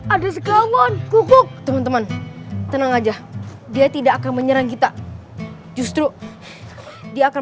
ada sekalian kuku teman teman tenang aja dia tidak akan menyerang kita justru dia akan